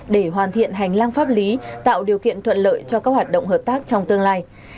để hoàn thiện hành lang pháp lý tạo điều kiện thuận lợi cho các hoạt động hợp tác trong tương lai